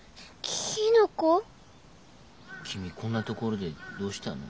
君こんなところでどうしたの？